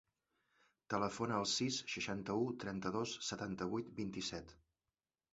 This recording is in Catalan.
Telefona al sis, seixanta-u, trenta-dos, setanta-vuit, vint-i-set.